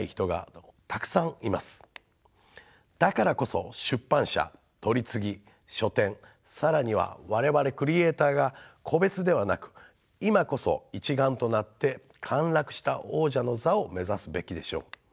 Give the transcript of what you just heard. だからこそ出版社取次書店更には我々クリエーターが個別ではなく今こそ一丸となって陥落した王者の座を目指すべきでしょう。